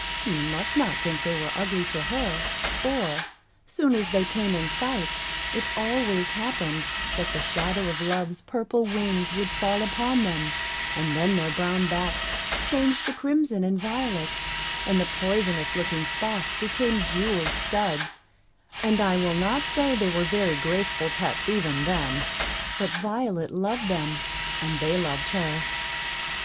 You must not think they were ugly to her; for, soon as they came in sight, it always happened that the shadow of Love's purple wings would fall upon them, and then their brown backs changed to crimson and violet, and the poisonous looking spots became jewelled studs; and I will not say they were very graceful pets even then; but Violet loved them, and they loved her.